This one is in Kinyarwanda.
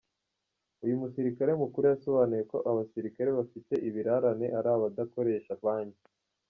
Uyu musirikare mukuru yasobanuye ko abasirikare bafite ibirarane ari abadakoresha banki.